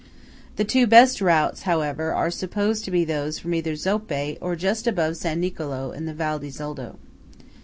The two best routes, however, are supposed to be those from either Zoppé, or just above San Nicolo in the Val di Zoldo.